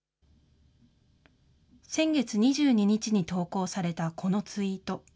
先月２２日に投稿されたこのツイート。